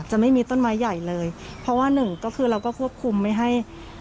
จะไม่มีต้นไม้ใหญ่เลยเพราะว่าหนึ่งก็คือเราก็ควบคุมไม่ให้